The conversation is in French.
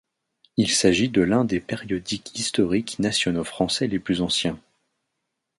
Il s'agit de l'un des périodiques historiques nationaux français les plus anciens.